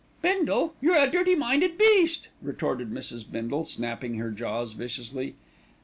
"Bindle, you're a dirty minded beast," retorted Mrs. Bindle, snapping her jaws viciously.